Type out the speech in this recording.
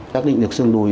xác định được sương đôi